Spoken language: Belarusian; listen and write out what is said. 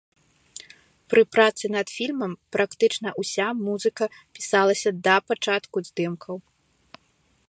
Пры працы над фільмам практычна ўся музыка пісалася да пачатку здымкаў.